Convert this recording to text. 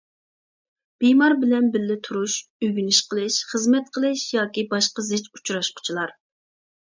بىمار بىلەن بىللە تۇرۇش، ئۆگىنىش قىلىش، خىزمەت قىلىش ياكى باشقا زىچ ئۇچراشقۇچىلار.